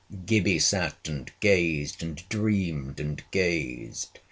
Gibbie sat and gazed, and dreamed and gazed.